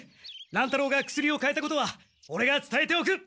乱太郎が薬を買えたことはオレがつたえておく。